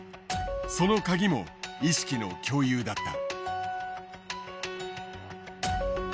そのカギも意識の共有だった。